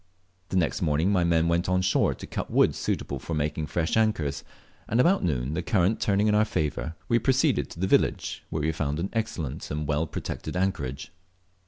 The next morning my men went on shore to cut wood suitable for making fresh anchors, and about noon, the current turning in our favour, we proceeded to the village, where we found an excellent and well protected anchorage.